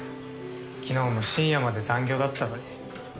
昨日も深夜まで残業だったのに。